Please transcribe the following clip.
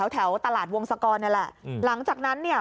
แถวตลาดวงศกรนี่แหละหลังจากนั้นเนี่ย